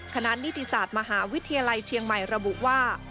นิติศาสตร์มหาวิทยาลัยเชียงใหม่ระบุว่า